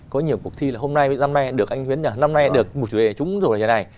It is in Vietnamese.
có nhiều cuộc thi là hôm nay với năm nay được anh nguyễn năm nay được một chủ đề là chúng rồi là nhà này